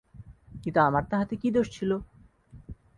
কিন্তু আমার তাহাতে কী দোষ ছিল।